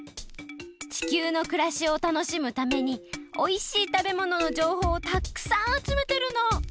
地球のくらしをたのしむためにおいしいたべもののじょうほうをたっくさんあつめてるの！